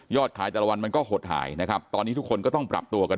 ขายแต่ละวันมันก็หดหายนะครับตอนนี้ทุกคนก็ต้องปรับตัวกัน